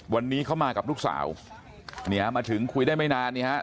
วันนี้เขามากับลูกสาวมาถึงคุยได้ไม่นาน